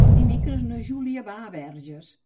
Dimecres na Júlia va a Verges.